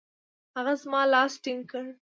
هغه زما لاس ټینګ کړ.